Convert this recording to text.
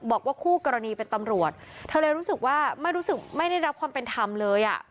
บอกว่าคู่กรณีเป็นตำรวจเธอเลยรู้สึกว่าไม่รู้สึกไม่ได้รับความเป็นธรรมเลยอ่ะ